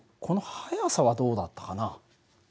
この速さはどうだったかな？